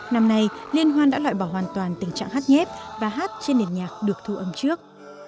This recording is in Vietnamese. năm nay liên hoan đã loại bỏ hoàn toàn tình trạng hát nhép và hát trên nền nhạc được thu âm trước